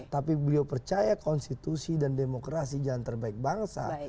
tapi beliau percaya konstitusi dan demokrasi jalan terbaik bangsa